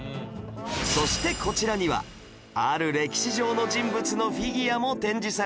そしてこちらにはある歴史上の人物のフィギュアも展示されているんです